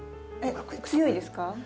強いですか？